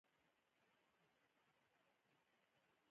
د خبرو نه، د کړنو باور پیدا کېږي.